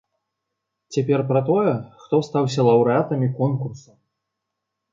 Цяпер пра тое, хто стаўся лаўрэатамі конкурсу.